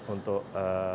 untuk bisa berkembang